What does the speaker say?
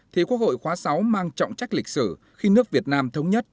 thì quốc hội khóa sáu mang trọng trách lịch sử khi nước việt nam thống nhất